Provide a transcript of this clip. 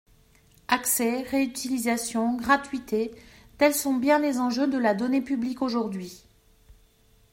Accès, réutilisation, gratuité : tels sont bien les enjeux de la donnée publique aujourd’hui.